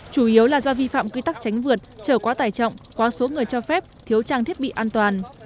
chủ yếu là do vi phạm quy tắc tránh vượt trở quá tải trọng quá số người cho phép thiếu trang thiết bị an toàn